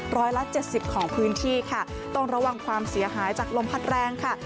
ร้อยละเจ็ดสิบของพื้นที่ค่ะต้องระวังความเสียหายจากลมพัดแรงค่ะ